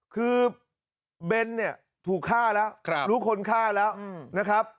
คือเบนเนี่ยถูกฆ่าแล้วรู้คนฆ่าแล้วนะครับ